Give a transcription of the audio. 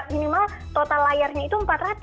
minimal total layarnya itu empat ratus